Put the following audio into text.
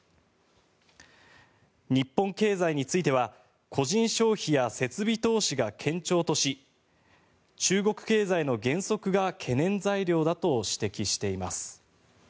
日本経済については個人消費や設備投資が堅調とし中国経済の減速が懸念材料だと指摘しています。